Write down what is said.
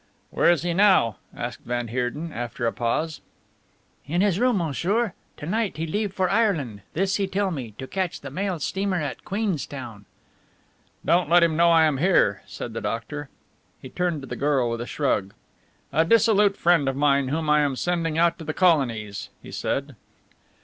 "Where is he now?" asked van Heerden, after a pause. "In his room, monsieur. To night he leave for Ireland this he tell me to catch the mail steamer at Queenstown." "Don't let him know I am here," said the doctor. He turned to the girl with a shrug. "A dissolute friend of mine whom I am sending out to the colonies," he said.